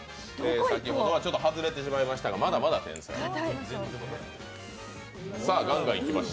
先ほどはちょっと外れてしまいましたがまだまだいけます。